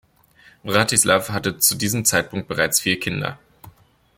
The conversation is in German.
Vratislav hatte zu diesem Zeitpunkt bereits vier Kinder.